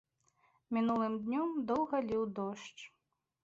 Мінулым днём доўга ліў дождж.